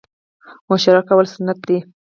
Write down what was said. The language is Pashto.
مشوره کول سنت دي